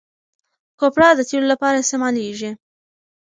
کوپره د تېلو لپاره استعمالیږي.